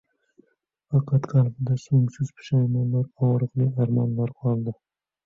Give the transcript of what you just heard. Faqat qalbida so`ngsiz pushaymonlar, og`riqli armonlar qoldi